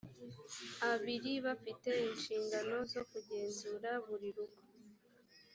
abiri bafite inshingano zo kugenzura buri rugo